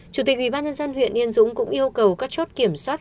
chủ tịch ubnd huyện yên dũng cũng yêu cầu các chốt kiểm soát